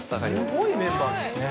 すごいメンバーですね。